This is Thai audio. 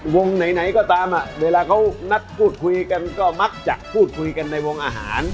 ไหนก็ตามเวลาเขานัดพูดคุยกันก็มักจะพูดคุยกันในวงอาหาร